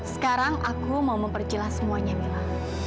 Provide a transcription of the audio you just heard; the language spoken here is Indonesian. sekarang aku mau memperjelas semuanya mila